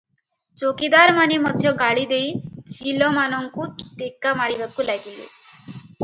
ଚୌକିଦାରମାନେ ମଧ୍ୟ ଗାଳିଦେଇ ଚିଲମାନଙ୍କୁ ଟେକାମାରିବାକୁ ଲାଗିଲେ ।